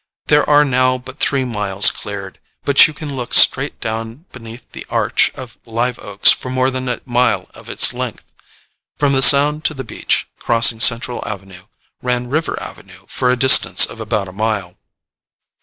There are now but three miles cleared, but you can look straight down beneath the arch of live oaks for more than a mile of its length. From the Sound to the beach, crossing Central Avenue, ran River Avenue for a distance of about a mile.